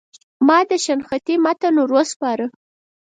ما د شنختې متن ور وسپاره.